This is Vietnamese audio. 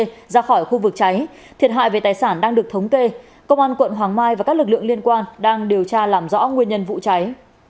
trong quá trình chữa cháy thiệt hại về tài sản đang được thống kê công an quận hoàng mai và các lực lượng liên quan đang điều tra làm rõ nguyên nhân vụ cháy